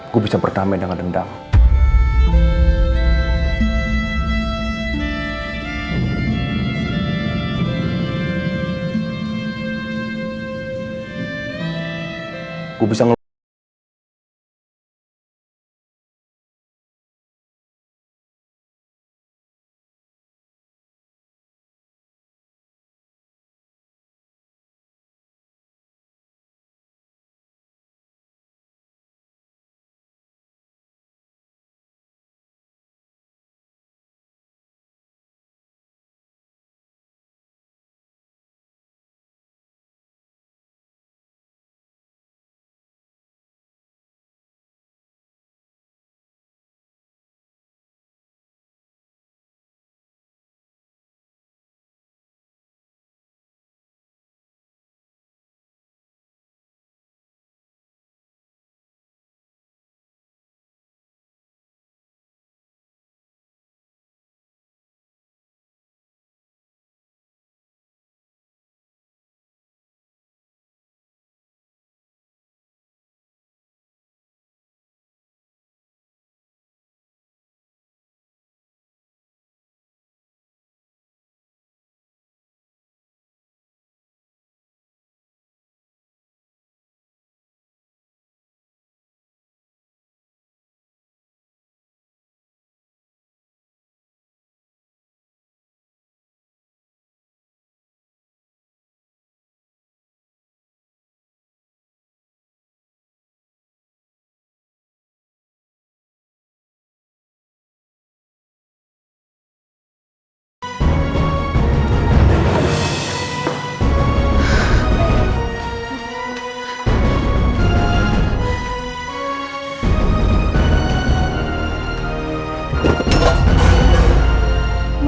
gue bisa bertamai dengan dendam